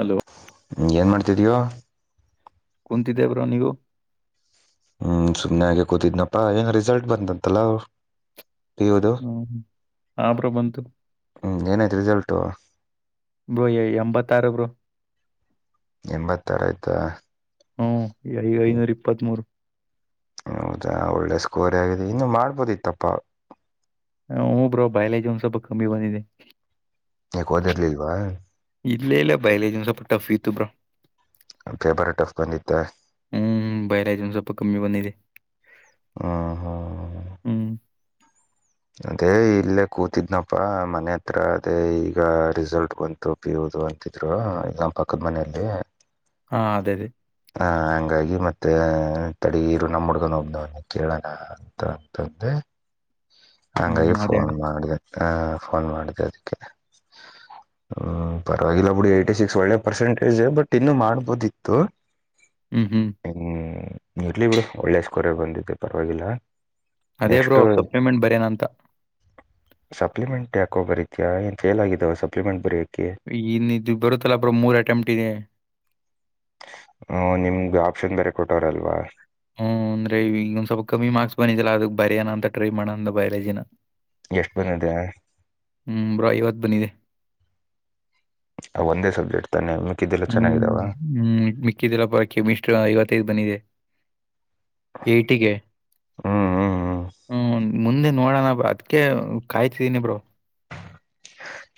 Hello ಏನ್ ಮಾಡ್ತಿದ್ಯೋ ಕುಂತಿದೇವರು ನೀಗವು ಹ್ಮ್ ಸುಮ್ನೆ ಆ ಹಾಗೆ ಕೂತಿದ್ನಪ್ಪಾ ಹೆಂಗ ರಿಸಲ್ಟ್ ಬಂತಂತಲ್ಲ ಹ್ಮ ಹ ಬ್ರ ಬಂತು ಹ್ಞೂ ಏನಾಯಐತೆ ರಿಸಲ್ಟು ಬ್ರೋ ಎಂಬತ್ತಾರು ಬ್ರೋ ಎಂಬತ್ತಾರ ಆಯ್ತಾ ಹ್ಮ್ ಐನೂರ ಇಪ್ಪತ್ತ್ ಮೂೂರು ಹೌದಾ ಒಳ್ಳೆ ಸ್ಕೋರ್ ಆಗಿದೆ ಇನ್ನು ಮಾಡ್ಬೋದಿತ್ತಪ್ಪ ಹ ಹೂ ಬ್ರೋ ಬಯಲಜ್ ಒನ್ ಸ್ವಲ್ಪ ಕಮ್ಮಿ ಬಂದಿದೆ ಯಾಕ್ ಹೋದಿರ್ಲಿಲ್ವಾ ಇಲ್ಲೇ ಇಲ್ಲ ಬಯಲಲೆಏನ್ ಸ್ವಲ್ಪ ಟಫ್ ಇತ್ತು ಬ್ರಾ ಪೇಪರ್ ಟಫ್ ಬಂದಿತ್ತ ಹ್ಮ್ ಬಯರಯ ಸ್ವಪ ಕಿ ಬನೆ ಇದೆ ಹಾ ಹಾ ಹ್ಮ್ ಅದೇ ಇಲ್ಲೇ ಕೂತಿದ್ನಪ್ಪಾ ಮನೆ ಹತ್ರ ಅದೇ ಈಗ ರಿಸಲ್ಟ್ ಬಂತ ಪಿ ಹುದು ಅಂತಿದ್ರು ಇ ನಮ್ಮ ಪಕ್ಕದ ಮನೆಯಲ್ಲಿ ಹಾ ಅದೇ ಅದೇ ಆಹ ಹಂಗಾಗಿ ಮತ್ತ ತಡ ನೀರು ನಮ್ಮ ಹುಡ್ಗನ ಹೋಗ್ದವ ಕೇಳಲ್ಲ ಅಂತ ಅಂತಂದೆ ಹ್ಮ್ ಹಂಗಾಗಿ ಅದೇ ಫೋನ್ ಅಣ್ಣ ಮಾಡ ಫೋನ್ ಮಾಡಿದೆ ಅದಕ್ಕೆ ಹ್ಮ ಪರವಾಗಿಲ್ಲ ಬಿುಡಿ ಏ್ಟ ಸಿಕ್ಸ್ ಒಳ್ಳೆ ಪರ್ಸೆಂಟೇಜ್ ಬಟ್ ಇನ್ನು ಮಾಡ್ಬೋದಿತ್ತು ಹ್ಮ್ ಹ್ಮ್ ಹ್ಮ್ ಇರ್ಲಿ ಬಿಡು ಒಳ್ಳೆ ಸ್ಕೋರ್ ಬಂದಿದ್ದೆ ಪರವಾಗಿಲ್ಲ ಅದೇ ಬ್ರೋ ನೆಕ್ಸ್ಟ್ ಸಪ್ಲಿಮೆಂಟ್ ಬರೇನ ಅಂತ ಸಪ್ಲಿಮೆಂಟ್ ಯಾಕೋ ಬರೀತಾ ಏನ್ ಫೇಲ್ ಆಗಿದಾವ ಸಪ್ಲಿಮೆಂಟ್ ಬರಯಕಕ್ಕೆ ಇನ್ ಇದು ಬರುತ್ತಲ್ಲ ಬ್ರ ಮೂರ್ ಅಟೆಂಪ್ ಇದೆ ಹ ನಿಮ್ಗೆ ಆಪ್ಷನ್ ಬೇರೆ ಕೊಟ್ಟೋರಲ್ವಾ ಹ್ಮ್ ಅಂದ್ರೆ ಈಗ ಒಂದ ಸ್ವಲ್ಪ ಕಮ್ಮಿ ಮಾರ್ಕ್ಸ್ ಬಿದಿಲ್ಲಾ ಅದಕ್ ಬರ್ಯನ ಅಂತ ಟ್ರೈ ಮಾಡಣ ಅಂದ ಬಯಾಲಜಿನ ಎಷ್ಟು ಬಂದಿದೆ ಹ್ಞೂ ಬ್ರೋ ಇವತ್ತು ಬಂದಿದೆ ಒಂದೇ ಸಬ್ಜೆಕ್ಟ್ ತಾನೆ ಮಿಕ್ಕಿದ್ದೆಲ್ಲ ಚೆನ್ನಾಗಿದ್ದಾವ ಹ್ಮ್ ಹ್ಮ್ ಮಿಕ್ಕಿದ್ದಿಲ್ಲಪ್ಪ ಕ ಮಿಷ್ಟ್ರ ಐವತ್ತೈದ್ ಬಂದಿದೆ ಏ್ಟಗೆ ಹ್ಮ್ ಹ್ಮ್ ಹ್ಮ್ ಹ್ಮ ಮುಂದೆ ನೋಡೋಣ ಬ್ರ ಅದ್ಕ್ಕೆ ಕಾಯ್ತಿದ್ದೀನಿ ಬ್ರೋ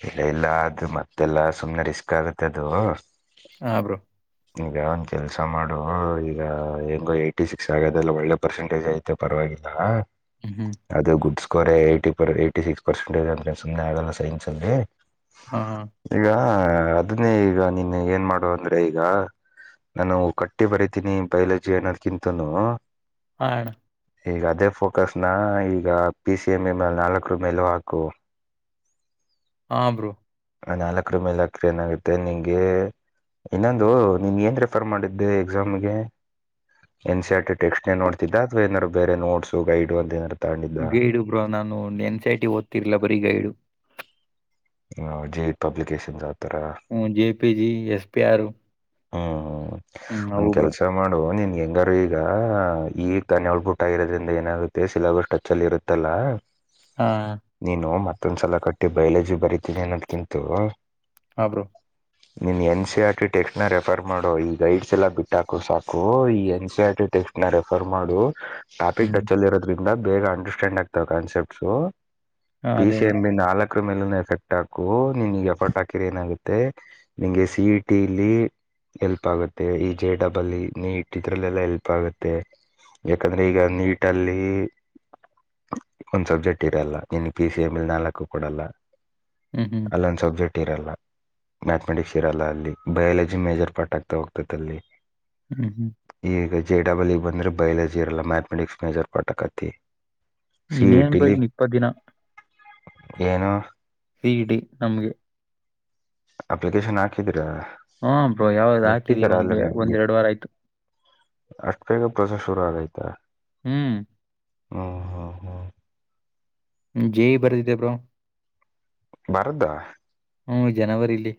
ಇಲ್ಲ ಇಲ್ಲ ಅದು ಮತ್ತೆಲ್ಲಾ ಸುಮ್ನೆ ರಿಸ್ಕ್ ಆಗತ್ತೆ ಅದು ಹಾ ಬ್ರೋ ಈಗ ಒಂದ ಕೆಲ್ಸ ಮಾಡು ಈಗ ಹೆಂಗೋ ಏಟಿ ಸಿಕ್ಸ್ ಆಗದೆಲ್ಲ ಒಳ್ಳೆ ಪರ್ಸೆಟೇಜ್ ಆಯತು ಮತ್ತೆ ಪರವಾಗಿಲ್ಲ ಹ್ಮ್, ಹ್ಮ್. ಅದೇ goods score Yi [unintelligible] ಯ್ಟಿ six percentage ಎಂಟೆನ್ಸ್ಂದೆ ಆಗಲ್ಲ ಸೈನ್ಸ್ ಅಲ್ಲಿ ಹಾ, ಹಾ. ಈಗ ಅದನ್ನೇ ಈಗ ನೀನ್ನ ಏನ್ ಮಾಡುವ ಅಂದ್ರೆ ಈಗ ನಾನು ಕಟ್ಟಿ ಬರತೀನಿ ಬೈಲಜಿ ಆನಾದ್ಕಿತನು ಆ ಅಣ್ಣ ಈಗ ಅದೇ ಫೋಕಸ್ನ ಈಗ ಪಿ. ಸಿ. M M. ಮಲ್ ನಾಲ್ಕುರು ಮೇಲು ಹಾಕು [inaudible] ಹಾ ಬ್ರೋ ಆ ನಾಲ್ಕರ ಮೇಲೆ ಅಕ್ರ ಏನಾಗುತ್ತೆ ನಿಂಗೆ ಇನ್ನೊಂದು ನೀಮ ಏನು ರೆಫರ್ ಮಾಡಿದ್ದೆ ಎಕ್ಸಾಮ್ಗೆ? N. C. R. T text ನೋಡ್ದ್ದ ಅವಾ ಏದಾರ ಬೇ ನೋಟ್ಸ್ ಗೈಡ್ ಅಂತ ಏನ ಗೈಡು ಬ್ರಾ ನಾನು ಎನ್ಸ ಐ. ಟಿ ಓದ್ತಿರ್ಲಿಲ್ಲ ಬರೀ ಗೈಡು ಜಹದ [unintelligible] ಪಬ್ಲಿಕೇಶನ್ಸ್ ಆತರ ಹ J. P. G S. P. R ಹ್ಮ್ ಹ್ಮ ಒನ್ ಬ್ರೋ. ಕೆಲಸ ಮಾಡುವ ನೀನ್ ಹೆಂಗಾರ ಈಗ ಈಗ [unintelligible] ದನ್ೊಳ್ ಬುಟ ಆಗಿರೋದ್ರಿಂದ ಏನಾಗುತ್ತೆ ಸಿಲಬಸ್ ಟಚ್ ಅಲ್ಲಿ ಇರುತ್ತಲ್ಲಾ [inaudible] ಹಾ ನೀನು ಮತ್ತೊಂದ್ಸಲ ಕಟ್ಟಿ ಬಯೋಲಾಜಿ ಬರಿತೀನಿ ಅನ್ನೋದ್ಕಿಂತ ಹಾ ಬ್ರೋ ನಿನ್ನ ಎನ್. ಸಿ. ಆರ್ಟ ಟೆಕ್ಸ್ಟ್ ನ ರೆಫರ್ ಮಾಡೋ. ಈ ಗೈಡ್ಸ್ ಎಲ್ಲ ಬಿಟ್ಟಾಕು ಸಾಕು ಈ N. C. R. T test ನ ರೆಫರ್ ಮಾಡು ಟಾಪಿಕ್ ಹ್ಮ್. ಟಾಚಲಿ ಇರೋದ್ರಿಂದ ಬೇಗ ಅಂಡರ್ಸ್ಟ್ಯಾಂಡ್ ಆಗ್ತಾವ ಕಾನ್ಸೆಪ್ಟ್ಸು ಹಾ ಪಿ. ಅದೇ ಸಿ. ಅದೇ. ಎಂ. ಬಿ ನಾಕು ನಕ್ಕ್ರ ಮೇಲ ಎಫೆಕ್ಟ್ ಹಾಕು ನೀನ್ ಈಗ ಎಫರ್ಟ್ ಹಾಕಿರ ಏನಾಗುತ್ತೆ ನಿಂಗೆ ಸಿ. ಇ. ಟಿ ಇಲ್ಲಿ ಎಲ್ಪ್ ಆಗುತ್ತೆ ಈ ಜೆ ಡಬಲ್ ನೀಟ್ ಇದ್ರಲ್ಲೆಲ್ಲ ಎಲ್ಪ್ ಆಗುತ್ತೆ ಯಾಕಂದ್ರೆ ಈಗ ನೀಟಲ್ಲಿ ಒಂದ್ ಸಬ್ಜೆಕ್ಟ್ ಇದೇ ಅಲ್ಲ ಇನ್ ಪಿ. ಸಿ. ಎಮ. ಇಲ್ ನಾಲ್ಕು ಕೊಡಲ್ಲ ಹ್ಮ್ ಹ್ಮ್ ಅಲ್ಲೊಂದು ಸಬ್ಜೆಕ್ಟ್ ಇರಲ್ಲ ಮ್ಯಾಥಮೆಟಿಕ್ಸ್ ಇರಲ್ಲ ಅಲ್ಲಿ ಬಯಾಲಜಿ ಜಿ ಮೇಜರ್ ಪಾರ್ಟ್ ಆಗ್ತಾ ಹೋಗ್ತತೆ ಅಲ್ಲಿ ಹ್ಮ್ ಹ್ಮ್ ಈಗ ಜೆ ಡಬಲ್ ಇ ಬಂದ್ರೆ ಬಯಲಜಿರಲ್ಲ ಮ್ಯಾಥಮೆಟಿಕ್ಸ್ ಮೇಜರ್ ಪಾಠಕತಿ ಇನ್ನೇನ್ ಬ್ರೋ ಇನ್ ಇಪ್ಪತ್ ದಿನ ಏನು? ಸಿ. ಡಿ ನಮ್ಗೆ ಅಪ್ಲಿಕೇಶನ್ ಹಾಕಿದೀರಾ? ಹಾ ಬ್ರೋ ಯಾವ್ದ್ ಹಾಕಿದೀ ಬಿಟ್ಟಿದಾರ ಒಂದ್ ಒಂದೆರಡ್ ವಾರ ಆಯ್ತು ಅಷ್ಟ ಬೇಗ ಪ್ರೋಸ ಶುರು ಆಗೈತ ಹ್ಮ್ ಹಾ ಹಾ ಹಾ ಜೆ ಇ ಬರ್ದಿದೆೇ ಬ್ರೋ ಬರ್ದ? ಹ್ಮ್ ಜನವರಿ ಇಲ್ಲಿ.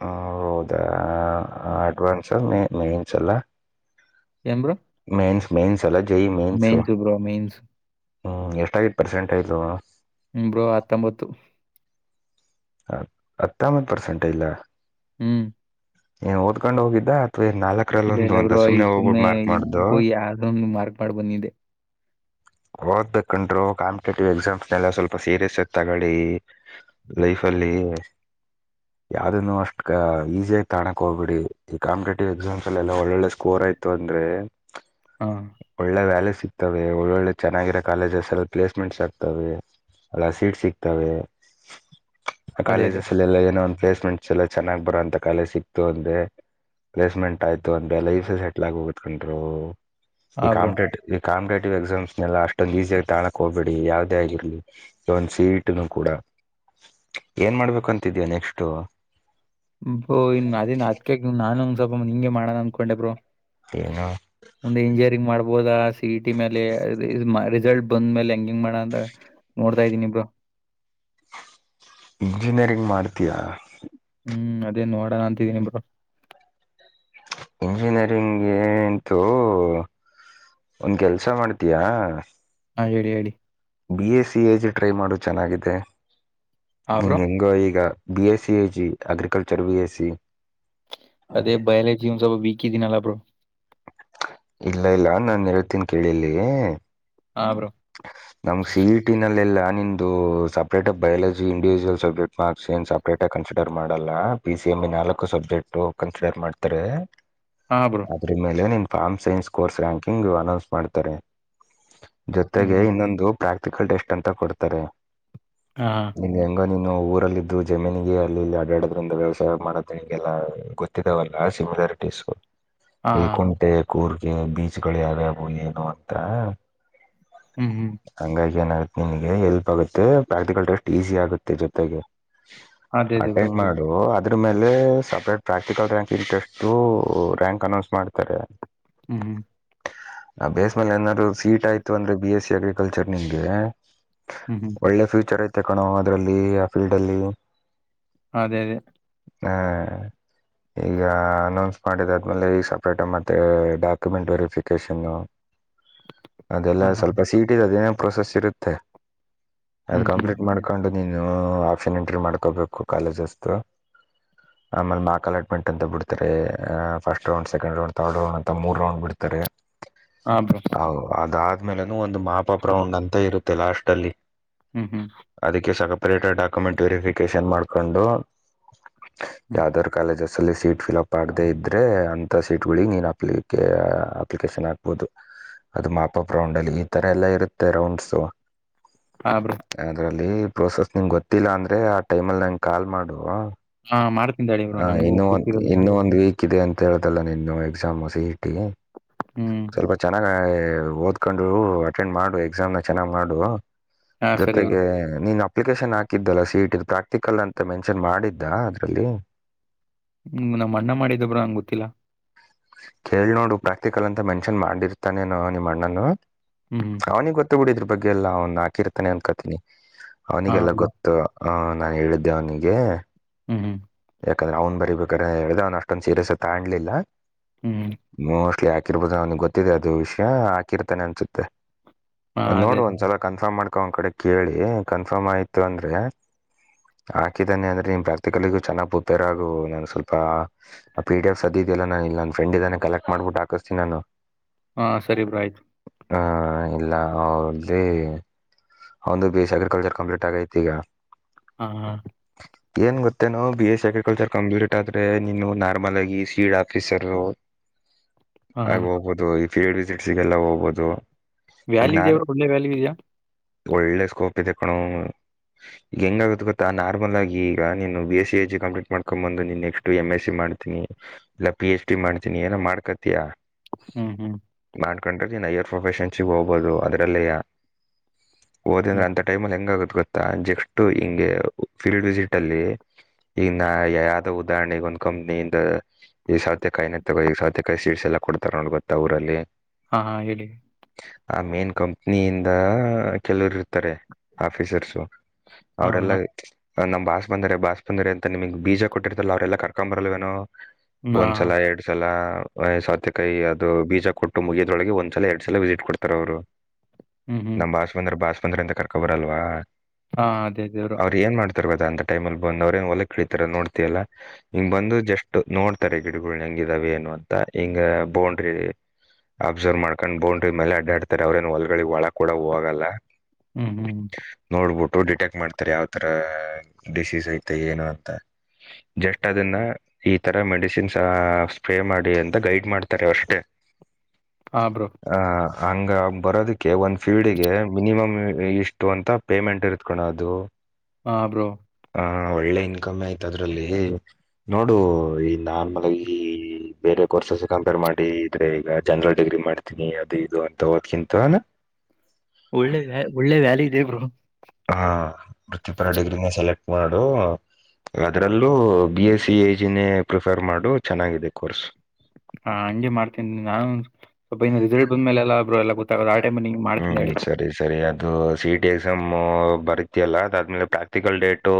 ಹ ಹೌದಾ ಅಡ್ವಾನ್ಸ್ ಮ ಮೇನ್ಸ್ ಅಲ್ಲ ಯಾನ್ ಬ್ರೋ ಮೇನ್ಸ್ ಮೈನ್ಸ್ ಎಲ್ಲ ಜೈ ಮೇನ್ಸ್ ಹ್ಮ ಬ್ರೋ ಮೇನ್ಸ್. ಎಷ್ಟತು ಆಗಿತು ಪರ್ಸೆಂಟ್ಟೇಜ್ ಹಾಂ ಬ್ರೂ ಹತ್ತೊಂಬತ್ತು. ಹ ಹತ್ತೊಂಬತ್ತು ಪರ್ಸೆಂಟ್? ಹ್ಮ್.. ಏನ್ ಓದ್ೊಂಡ್ ಹೋಗಿದ್ದಾ ಅಥವಾ [inaudible] ಇಲ್ಲ ಇಲ್ಲ ಅಂತ ಬ್ರೋ ಈ ಹೋಗ್ಬಿಟ್ಟು ಸುಮ್ನೆ ಮಾರ್ಕ್ ಈ ಮಾಡ್ದು ಗೋಗಿ ಯಾವ್ದೋ ಮಾರ್ಕ್ ಮಾಡ್ ಬಂದಿದೆ. ಓದ್ಬೇಕಂಡ್ರು ಕಾಂಪಿಟೇಟಿವ್ ಎಕ್ಸಾಮ್ಸ್ನೆಲ್ಲ ಸ್ವಲ್ಪ ಸೀರಿಯಸ್ ಆಗಿ ತಗೊಳ್ಳಿ. ಲೈಫ್ ಅಲ್ಲಿ... ಯಾವ್ದನ್ನುನು ಅಷ್ಟು ಈಸ ಆಗಿ ತಾಣೋಕ್ೋಗ್ಬಿಡಿ ಈ ಕಾಂಪಟೇಟಿವ್ ಎಕ್ಸಾಮ್ಸ್ಲ್ಲಿ ಎಲ್ಲ ಒಳ್ಳೊಳ್ಳೆ ಸ್ಕೋರ್... ಇ ಅಂದ್ರೆ ಹಾ ಒಳ್ಳೆ ವ್ಯಾಲೆ ಸಿಗ್ತವೆ ಒಳ್ಳೊಳ್ಳೆ... ಚೆನ್ನಾಗಿರೋ ಕಾಲೇಜಸ್ ಎಲ್ಲಿ ಪ್ಲೇಸ್ಮೆಂಟ್ಸ್ ಆಕ್ತವೆ ಅಲ್ಲ ಸೀಟ್ ಸಿಕ್ತವೆ. ಅದೇ ಅದೇ ಕಾಲೇಜಸ್ಲ್ಲ ಎಲ್ಲ ಏನೋ ಒನ್ ಪ್ಲೇಸ್ಮೆಂಟ್.. ಚಲ ಚೆನ್ನಾಗ್ ಬರುವೋಂತ ಕಾಲ ಸಿಕ್ತು ಅಂದೆ... ಪ್ಲೇಸ್ಮೆಂಟ್ ಆಯ್ತು ಅಂದ್ರ ಲೀಫೆಸೆಟ್ಲ್ ಆಗ ಹೋಗೋ್ ಕೊಂಡ್ರು. ಹಾ ಈ ಬ್ರೋ ಕಂಪಿಟೇಟಿವ್ ಈ ಕಂಪಿಟೇಟಿವ್ ಎಕ್ಸಾಮ್ಸ್... ಇನ್ನೆಲ್ಲ ಅಷ್ಟೊಂದಂದು ಈಸಿಿಯಾಗಿ ತಾಳಕ್ ಹೋಗ್ಬೇಡಿ ಯಾವದೇ ಆಗಿರ್ಲಿ ಒಂದು ಸೀಟುಕೂಡ. ಏನ್ ಮಾಡ್ಬೇಕು ಅಂತಿದೀಯ ನೆಕ್ಸ್ಟು? ಬ್ರೋ ಇನ್ ಅದನ್ ಅದಕ ನಾನು ಸ್ವಲ್ಪ ಹಿಂಗೆ ಮಾಡೋಣ ಅನ್ಕೊಂಡೆ ಬ್ರೋ... ಏನು ಮುಂದೆ ಇಂಜಿನಿಯರಿಂಗ್ ಮಾಡ್ಬೋದ? ಸಿ ಇಟಿ ಮೇಲೆ ರಿಸಲ್ಟ್ ಬಂದ್ ಮೇಲೆ ಹೆಂಗ ಹೆಂಗ್ ಮಾಡ ಅಂತ ನೋಡ್ತಾ ಇದೀನಿ ಬ್ರೋ. ಇಂಜಿನಿಯರಿಂಗ್ ಮಾಡ್ತೀಯಾ? ಹು ಅದೇ ನೋಡೋಣ ಅಂತಿದಿನಿ ಬ್ರೋ. ಇಂಜಿನಿಯರಿಂಗೆ ಅಂತೂ. ಒಂದ್ ಕೆಲಸ ಮಾಡತ್ತೀಯಾ? ಹಾ ಹೇಳಿ ಹೇಳಿ. B SC A J try ಮಾಡು ಚೆನ್ನಾಗಿದೆ ಹಾ ಹು ಬ್ರೋ ಹೆಂಗೋ ಈಗ. B SC A J agriculture B SC. ಅದೇ ಬಯಾಲಜಿ ಒಂದ ಸ್ವಲ್ಪ ವೀಕಿದ್ದಿನಲ್ಲ ಬ್ರೋ. ಇಲ್ಲ ಇಲ್ಲ ನಾನ್ ಹೇಳ್ತನಿ ಕೇಳಿಲ್ಲಿ ಹಾ ಬ್ರೋ ನಮಗ ಸೀ ಇ ಟಿನಲ್ಲೆಲ್ಲಾ ನಿಂದು separate biology individual subject marks ಏನ್ ಸಪ್ರೇಟಾಗಿ ಕನ್ಸಿಡರ್ ಮಾಡಲ್ಲ. ಪಿ ಸಿ ಎಂ ಬಿ ನಾಲ್ಕು ಸಬ್ಜೆಕ್ಟ ಕನ್ಸಿಡರ್ ಮಾಡ್ತಾರೆ. ಹಾ ಬ್ರೋ. ಅದರ ಮೇಲೆ ನಿನ್ನ form science course ranking announce ಮಾಡ್ತಾರೆ. ಹ್ಮ್ ಜೊತೆಗೆ ಹ್ಮ್ ಇನ್ನೊಂದು ಪ್ರಾಕ್ಟಿಕಲ್ ಟೆಸ್ಟ ಅಂತ ಕೊಡ್ತಾರೆ. ಹಾ.. ನಿನಗೆ ಹೆಂಗ ನೀನು ಊರಲ್ಲಿದ್ದು ಜಮೀನಿಗೆ ಅಲ್ಲಿ ಇಲ್ಲಿ ಆಡ್ಯಡದ್ರಿಂದ ವ್ಯವಸಾಯ ಮಾಡೋದು ನಿಂಗೆಲ್ಲ ಗೊ ವಲ್ಲ ಸಿಮಿಲಾರಿಟಿಸ್... ಹಾ ಈ ಹಾ. ಕುಂಟೆ ಕೂರ್ಗೆ ಬೀಜಗಳು ಯಾವ್ಯಾವು ಏನು ಅಂತ, ಹ್ಮ್ ಹ್ಮ್ ಹಂಗಾಗಿ ಏನ... ನಿಮಗೆ ಹೆಲ್ಪ ಆಗುತ್ತೆ ಪ್ರಾಕ್ಟಿಕಲ್ ಟೆಸ್ಟ ಈಜಿ ಆಗುತ್ತೆ ಜೊತೆಗೆ ಅದೇ ಅದೇ ಬ್ರೋ ಅಟೆಂಡ್ ಮಾಡ. ದು ಅದರ ಮೇಲೆ separate practical ranking test rank announce ಮಾಡ್ತಾರೆ. ಹ್ಮ್ ಹ್ಮ್ ಆ ಬೇಸ್ ಮೇಲೆ ಏನಾದ್ರು ಸೀಟ್ ಆಯ್ತು ಅಂದ್ರೆ ಬಿ ಎಸ್ಸಿ ಅಗ್ರಿಕಲ್ಚರ್ ನಿಮ್ಗೆ ಹ್ಮ್ ಹ್ಮ್ ಒಳ್ಳೆ ಫ್ಯೂಚರ್ ಐತೆ ಕಣೋ ಅದರಲ್ಲಿ ಆ ಫೀಲ್ಡಲ್ಲಿ. ಅದೇ ಅದೇ.. ಹ ಈಗ ಅನೌನ್ಸ ಮಾಡಿದ ಆದ್ಮೇಲೆ ಈ ಸಪ್ರೇಟ್ ಮ ತ್ತೆ ಡಾಕ್ಯುಮೆಂಟ್ ವೆರಿಫಿಕೇಶನ್ ಅದೆಲ್ಲ ಹಾ ಹಾ. ಸ್ವಲ್ಪ ಸೀಟ್ ಗ ಅದೇನ ಪ್ರೋಸೆಸ್ ಇರುತ್ತೆ ಅದು ಹ್ಮ್ ಹ್ಮ್ ಕಂಪ್ಲೀಟ್ ಮಾಡ. [unintelligible] ಕಂಡು ನೀನು ಆಪ್ಷನ್ ಎಂಟ್ರಿ ಮಾಡ್ಕೋಬೇಕು ಕಾಲೇಜ್ಸ ತ್ರೊ. ಆಮೇಲೆ ಮಾಕ್ ಅಲಾಟ್ಮೆಂಟ್ ಅಂತ ಬಿಡ್ತಾರೆ first round second round. Third round ಅಂತ ಮೂರ ರೌಂಡ್ ಬಿಡ್ತಾರೆ ಹಾ ಬ್ರೋ ಅದಾದ ಆಮೇಲೆನು ಒಂದು ಮಾಪಾಪ ರೌಂಡ್ ಅಂತ ಇರುತ್ತೆ ಲಾಸ್ಟ ಅಲ್ಲಿ. ಹು ಹು ಅದಕ್ಕೆ ಸಕಪ್ರೇಟೆಡ್ ಅಂತ ಡಾಕ್ಯುಮೆಂಟ್ ವೆರಿಫಿಕೇಶನ್ ಮಾಡ್ಕೊಂಡು. ಹ್ಮ್ ಯಾವ್ದಾರ ಕಾಲೇಜಸ್ ಅಲ್ಲಿ ಸೀಟ್ ಫಿಲಪ ಆಗದೆೇ ಇದ್ರೆ ಅಂತ ಸೀಟ್. [unintelligible] ನೀನು ಅಪ್ಲಿಕೆ ಅಪ್ಲಿಕೇಶನ್ ಹಾಕ್ಬಹುದು. ಅದು ಮಾಪಪ್ ರೌಂಡ್ ಅಲ್ಲಿ ಈ ತರ ಎಲ್ಲಾ ಇರುತ್ತೆ ರೌಂಡ್ಸು. ಹಾ ಬ್ರೋ. ಅದ್ರಲ್ಲಿ ಪ್ರೋಸೆಸ್ ನಿಂಗ ಗೊತ್ತಿಲ್ಲ ಅಂದ್ರೆ ಆ ಟೈಮಲ್ಲಿ ನಂಗೆ ಕಾಲ್ ಮಾಡು ಹಾ ಹಾ ಮಾಡ್ತೀನಿ ತಡಿ ಬ್ರೋ ನಂಗೂ ಇನ್ನು ಒಂದ ಗೊತ್ತಿರೋದಿಲ್ಲ ಇನ್ನು ಒಂದ್ ವೀಕ್ ಸಿಕ್ಕಿದೆ ಅಂತ ಹೇಳ್ದಲ್ಲ ನಿನ್ನ ಎಕ್ಸಾಮ್ ಸಿ ಇ ಟಿ ಹ್ಮ್ ಸ್ವಲ್ಪ ಚೆನ್ನಾಗ ಓದ [unintelligible] ಕಂಡು ಅಟೆಂಡ್ ಮಾಡು ಎಕ್ಸಾಮ್ನ ಚೆನ್ನಾಗ ಮಾಡು ಹಾ ಸರಿ ಬ್ರೋ ಜೊತೆಗೆ ನೀನ್ ಅಪ್ಲಿಕೇಶನ್ ಹಾಕಿದ್ದಲ್ಲ ಸಿ ಇ ಟಿ ದ್ ಪ್ರಾಕ್ಟಿಕಲ್ ಅಂತ ಮೆನ್ಷನ್ ಮಾಡಿದ್ದಾ ಅದರಲ್ಲಿ ಹು ನಾಮ್ಮ ಅಅ್ಣ ಮಾಡಿದ್ದ ಬ್ರೋ ನಂಗ ಗೊತ್ತಿಲ್ಲ. ಕೇಳಿ ನೋಡು ಪ್ರಾಕ್ಟಿಕಲ್ ಅಂತ ಮೆನ್ಷನ್ ಮಾಡಿರ್ತಾನೆನೋ ನಿಮ್ಮ ಅಣ್ಣನು ಹ್ಮ್ ಹ್ಮ್ ಅವನಿಗೆ ಗೊತ್ತ ಗೊತ್ತ ಬಿಡ ಇದರ ಬಗ್ಗೆ ಎಲ್ಲ ಅವ್ನು ಹಾಕಿರ್ತಾನ ಅನ್ಕತೀನಿ ಹಾ ಅವನಿಗೆಲ್ಲ ಬ್ರೋ ಗೊತ್ತ ಹಾ ನಾ ಹೇಳಿದ್ದೆ ಅವನಿಗೆ. ಹು ಹು ಯಾಕಂದ್ರೆ ಅವನ ಬರಿ ಬೇಕಾದ್ರೆ ಹೇಳ್ದೆ ಅವನ ಅಷ್ಟೊಂದ ಸೀರಿಯಸ್ ತಗ್ಲಿಲ್ಲ. ಹು ಮೋಸ್ಟ್ಲಿಹಾಕಿರ್ಬೋದು [unintelligible] ಏನೋ ಗೊತ್ತಿದೆ ಅದು ವಿಷಯ ಹಾಕಿರ್ತಾನೆ ಅನ್ಸುತ್ತೆ. ಹಾ ಅದೇ ನೋಡ್ ಅದೇ ಒಂದ್ಸಲ ಕನ್ಫರ್ಮ್ ಮಾಡ್ಕೊ ಅವನ ಕಡೆ ಕೇಳಿ ಕನ್ಫರ್ಮ್ ಆಯ್ತು ಅಂದ್ರೆ ಹಾಕಿದ್ದಾನೆ ಅಂದ್ರೆ ನಿಮ್ ಪ್ರಾಕ್ಟಿಕಲಿಗು ಚೆನ್ನಾಗ್ ಉುಪೇರ್ ಆಗು ನಾನು ಸ್ವಲ್ಪ ಆ ಪಿ ಡಿ ಎಫ್ ಸದ್ದ ಇದೆಯಲ್ಲ ನಾನ ಇ ನನ್ ಫ್ರೆಂಡ್ ಇದಾನೆ ಕಲೆಕ್ಟ್ ಮಾಡ್ಬಟ್ಟ ಹಕಿಸ್ತನಿ ನಾನು ಹಾ ಸರಿ ಬ್ರಾ ಆಯ್ತು ಹ ಇಲ್ಲ ಅವ್ರ್ದೇ ಒಂದು ಬಿ ಎಸ್ ಅಗ್ರಿಕಲ್ಚರ್ ಕಂಪ್ೀಟ್ ಆಗೈಐತಿ ಈಗ ಹಾ ಹಾ ಏನ್ ಗೊತ್ತೇನೋ B S C agriculture complete ಆದ್ರೆ ನೀನು ನಾರ್ಮಲ್ ಆಗಿ ಸಿೀಡ್ ಆಫೀಸರ್ ಹಾ ಹಾ ಆಗ ಹೋಗ್ಬಹದು ಈ ಫೀಲ್ಡ್ ವಿಸಿಟ್ಸಗೆಲ್ಲ ಹೋಗ್ಬಹುದು ವ್ಯಾಲಿ ಇದೆಯ ಅವ್ರ ಒಳ್ಳೆ ವ್ಯಾಲಿ ಇದೆಯಾ ಒಳ್ಳೆ ಸ್ಕೋಪ್ ಇ ತಕ್ಕಣ ಈಗ ಹೆಂಗ ಆಗುತ್ತ ಗೊಾ ನಾರ್ಮಲ್ ಆಗ ಈಗ ನೀನು ಬಿ ಎಸ್ ಸಿ ಎ್ಿ ಕಂಪ್ಲೀಟ್ ಮಾಡ್ಕೊಂಡ್ ಬಂದು ನೆಕ್ಸ್ಟ್ ು ಎಂ ಎಸ್ ಸಿ ಮಾಡ್ತೀನಿ ಇಲ್ಲ ಪಿ ಎಚ್ ಡಿ ಮಾಡ್ತೀನಿ ಏನ ಮಾಡ್ಕತಿಯಾ ಹ್ಮ್ ಹ್ಮ್ ಮಾಡ್ಕೊಂಡ್ರೆನ್ ಯರ್ ಪ್ರೊಫೆಷನ್ ಸಿಗ ಹೋಗಬಹುದು ಅದ್ರಲ್ಲಿಯ ಓದಂದ್ರೆ ಹ್ಮ್ ಅಂತ ಟೈಮ ಅಲ್ಲಿ ಹೆಂಗ ಆಗುತ್ತ ಗೊತ್ತಾ ಜೆಕ್ಸ್ಟ್ ಹಿಂಗೆ ಫೀಲ್ಡ್ ವಿಸಿಟ್ ಅಲ್ಲಿ ಈಗ ನ ಯಾವ್ದೋ ಉದಾಹರಣೆಗೆಗ ಒಂದು ಕಂಪ್ನಿಯಿಂದ ಈಗ ಸಾವತೆಾಯಿ ತಗೋ ಈಗ ಸೌರ್ತೆಕಾಯಿ ಸೀಟ್ಸ್ ಎಲ್ಲ ಕೊಡ್ತಾರೆ ನೋ ಗೊಾ ಅವಊರಲ್ಲಿ ಹಾ ಹಾ ಹೇಳಿ ಆ ಮೇನ್ ಕಂಪ್ನಿಯಿಂದ ಕೆಲವರು ಇರ್ತಾರೆ ಆಫೀಸರ್ಸು ಹಾ ಅವರೆಲ್ಲ ಹಾ ನಮ್ ಬಾಸ್ ಬಂದರೆ ಬಾಸ್ ಬಂದರೆ ಅಂತ ನಿಮಗ್ ಬೀಜ ಕೊಟ್ಟಿರ್ತಲ್ಲ ಅವ್ರೆಲ್ಲ ಕರ್ಕೊ ಬರಲ್ವೇನೋ ಹ್ಮ್ ಹಾ ಒಂದ್ಸಲ ಎರಡ್ ಸಲ ್ ಸೌತೆಕಾಯಿ ಅದು ಬೀಜ ಕೊಟ್ಟು ಮುಗಿಯದೊಳಗೆ ಒಂದ್ಸಲ ಎರಡ್ ಸಲ ವಿಸಿಟ್ ಕೊಡ್ತಾರ ಅವ್ರು ಹ್ಮ್ ಹ್ಮ್ ನಮ್ ಭಾಸ್ಮಂದ್ರ ಭಾಸ್ಮಂದ್ರ ಅಂತ ಕರ್ಕೊಬರಲ್ವಾ ಹಾ ಅದೇ ಅದೇ ಬ್ರೋ ಅವ್ರ ಏನ್ ಮಾಡ್ತ ಅಂತ ಟೈಮಲ್ಲಿ ಬಂದ ಅವ್ರೇನ್ ಹೊಲ ಕಿತಾರ ನೋಡ್ತಲ್ಲ ಹ ಬಂದು ಜಸ್ಟ್ ನೋ ತರ ಗಿಡಗಳ ಹೆಂಗ ಇದಿದಾವೆ ಏ ಅಂತ ಹಿಂಗ ಬೌಂಡ್ರಿ ಅಬ್ಸರ್ವ್ ಮಾಡ್ಕೊಂಡ್ ಬೋಂಡ್ರ ಮೇಲೆ ಅಡ್ಡಾಡ್ತಾರೆ ಅವ್ರೇನ್ ಹೊಲ್ಗಡೆ ಒಳ ಕೂಡ ಹೋಗಲ್ಲ ಹ್ಮ್ ಹ್ಮ್ ಹ್ಮ್. ನೋಡ್ಬಿಟ್ಟು ಡಿಟೆಕ್ಟ್ ಮಾಡ್ತಾರೆ ಯಾವ್ತರ ಡಿಸೀಸ್ ಐತೆ ಏನು ಅಂತ ಜಸ್ಟ್ ಅದನ್ನ ಈ ತರ ಮೆಡಿಸಿ ನ್ಸ ಸ್ಪ್ರೇ ಮಾಡಿ ಅಂತ ಗೈಡ್ ಮಾಡ್ತಾರೆ ಅವಷ್ಟೇ ಹಾಂ ಬ್ರೋ ಅ ಹಂಗ ಬರೋದಕ್ಕೆ ಒಂದ್ ಫಿ ಿಗೆ ಮಿನಿಮಮ್ ಇಷ್ಟು ಅಂತ ಪೇಮೆಂಟ್ ಇರ್ತ್ಕಣ ಅದು ಹ ಹಾ ಬ್ರೋ ಹ ಒಳ್ಳೆ ಇನ್ಕಮ್ ಆಯ್ತ ಅದ್ರಲ್ಲಿ ನೋಡು ಈ ನನ್ ಮ ಈ ಬೇರೆ ಕೋರ್ಸಸ್ ಕಂಪೇರ್ ಮಾಡಿ ಇದ್ರೆ ಈಗ ಜನರಲ್ ಡಿಗ್ರಿ ಮಾಡ್ತೀನಿ ಅದು ಇದು ಅಂತ ಓದಕಿಂತ ಒಳ್ಳೆ ವ್ಯಾ ಒಳ್ಳೆ ವ್ಯಾಲಿ ಇದೆ ಬ್ರರು ಆ ವೃತ್ತಿಪರ ಡಿಗ್ರಿನ ಸೆಲೆಕ್ಟ್ ಮಾಡು ಅದ್ರಲ್ಲೂ ಬಿ ಎಸ್ ಸಿ ಐಜಿನೇ ಪ್ರಿಫರ್ ಮಾಡು ಚೆನ್ನಾಗಿದೆ ಕೋರ್ಸ್ ಹಾ ಹಂಜಗೆ ಮಾಡ್ತೇನಿ ನಾನು ಸ್ವಲ್ಪ ಇ ರಿಸಲ್ಟ್ ಬಂದ್ಮೇಲೆಲ್ಲಾ ಎ ಗೊ ಆ ಟೈಮ ನಿಂ ಮಾಡ್ೀನ ಹ್ಮ್ ಹೇಳಿ ಸರಿ ಸರಿ ಅದು ಸಿ ಟಿ ಎಕ್ಸಾಮ್ ಬರತಿಯಲ್ಲ ಅದಾದ್ಮೇಲೆ ಪ್ರಾಕ್ಟಿಕಲ್ ಡೇಟು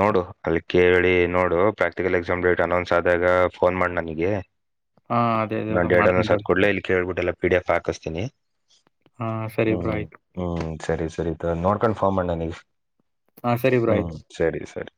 ನೋಡು ಅಲ್ಲಿ ಕೇಳಿ ನೋಡು ಪ್ರಾಕ್ಟಿಕಲ್ ಎಕ್ಸಾಮ್ ಡೇಟ್ ಅನೌನ್ಸ್ ಆದಾಗ ಫೋನ್ ಮಾಡಿ ನನಗೆ ಹಾ ಅದೇ ಅದೇ ನಾ ಬ್ರೋ ಎರಡ್ ಒಂದ್ ಮಾಡ್ತೀನಿ ಸತ್ ತಡಿ ಕ ಕೊಡ್ಲೇ ಇಲ್ಲಿ ಕೇಳ್ಬಿಟ್ಟ ಎಲ್ಲ ಪ ಡಿ ಎಫ್ ಹಾಕಿಸತನಿ ಹಾ ಸರಿಬ್ರಾ ಆಯ್ತು ಹ್ಮ್ ಸರಿ ಸರಿ ನೋಡ್ಕೊಂಡು ಫಾರ್ಮ್ ಮಾಡಣ ನನಗ ಹಾ ಸರಿ ಬ್ರೋ ಆಯ್ತು. ಹ್ಮ್ ಸರಿ ಸರಿ